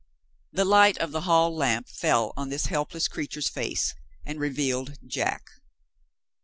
The light of the hall lamp fell on this helpless creature's face, and revealed Jack.